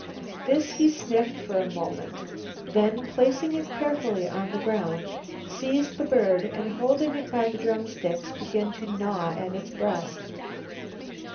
This he sniffed for a moment, then, placing it carefully on the ground, seized the bird and holding it by the drumsticks began to gnaw at its breast.